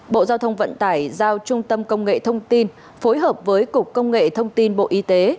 bộ giao thông vận tải giao trung tâm công nghệ thông tin phối hợp với cục công nghệ thông tin bộ y tế